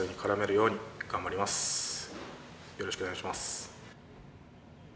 よろしくお願いします。